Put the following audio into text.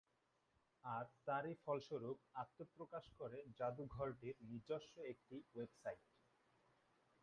আর তারই ফলস্বরূপ আত্মপ্রকাশ করে জাদুঘরটির নিজস্ব একটি ওয়েবসাইট।